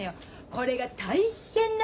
これが大変なのよ。